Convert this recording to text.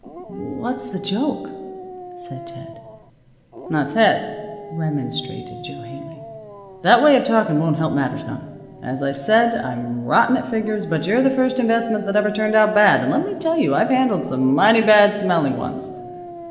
"What's the joke?" asked Ted. "Now, Ted," remonstrated Jo Haley, "that way of talkin' won't help matters none. As I said, I'm rotten at figures. But you're the first investment that ever turned out bad, and let me tell you I've handled some mighty bad smelling ones.